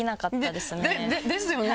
ですよね